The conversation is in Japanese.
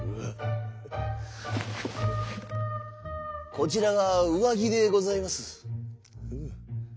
「こちらがうわぎでございます」。